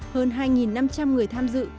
hơn hai năm trăm linh người tham dự